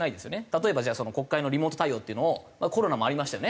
例えばじゃあ国会のリモート対応っていうのをコロナもありましたよね。